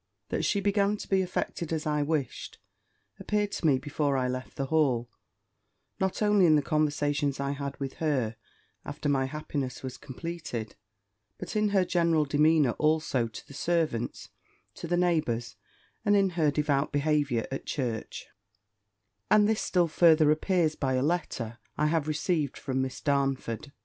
That she began to be affected as I wished, appeared to me before I left the Hall, not only in the conversations I had with her after my happiness was completed; but in her general demeanour also to the servants, to the neighbours, and in her devout behaviour at church: and this still further appears by a letter I have received from Miss Darnford.